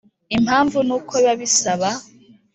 Impamvu ni uko biba bisaba